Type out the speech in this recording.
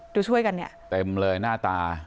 ดูช่วยกันเนี่ยเต็มเลยหน้าตา